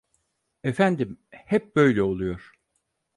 Efendim, hep böyle oluyor…